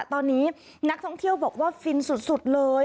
ตอนนี้นักท่องเที่ยวบอกว่าฟินสุดเลย